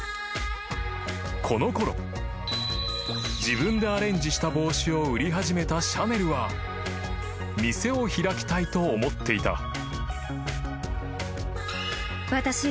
［このころ自分でアレンジした帽子を売り始めたシャネルは店を開きたいと思っていた］